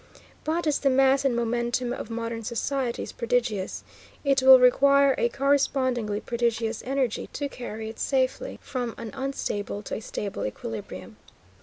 But, as the mass and momentum of modern society is prodigious, it will require a correspondingly prodigious energy to carry it safely from an unstable to a stable equilibrium.